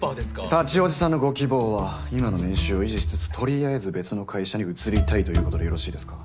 八王子さんのご希望は今の年収を維持しつつとりあえず別の会社に移りたいということでよろしいですか？